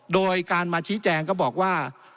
โดยการมาชี้แจงก็บอกว่า